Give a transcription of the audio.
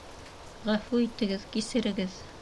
Ғәфү итегеҙ. Кисерегеҙ.